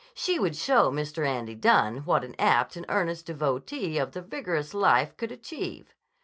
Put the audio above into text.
She would show Mr. Andy Dunne what an apt and earnest devotee of the vigorous life could achieve.